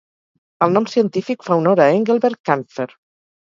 El nom científic fa honor a Engelbert Kaempfer.